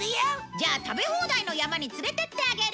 じゃあ食べ放題の山に連れてってあげる！